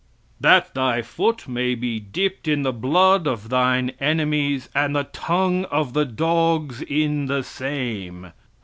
"That thy foot may be dipped in the blood of thine enemies, and the tongue of the dogs in the same."